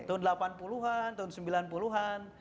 tahun delapan puluh an tahun sembilan puluh an tahun dua ribu